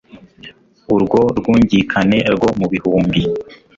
urwo rwungikane rwo mu bihumbi